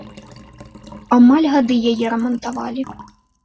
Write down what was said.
Амаль гады яе рамантавалі.